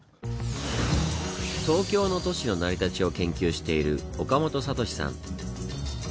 東京の都市の成り立ちを研究している岡本哲志さん。